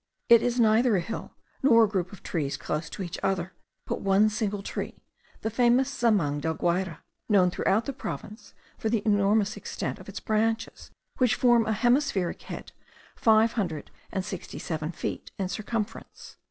It is neither a hill, nor a group of trees close to each other, but one single tree, the famous zamang del Guayre, known throughout the province for the enormous extent of its branches, which form a hemispheric head five hundred and seventy six feet in circumference.